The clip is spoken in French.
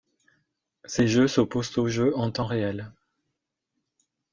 Ces jeux s'opposent aux jeux en temps réel.